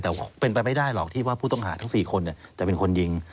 แต่เป็นไปไม่ได้หรอกที่ว่าผู้ต้องหาทั้ง๔คนจะเป็นคนยิง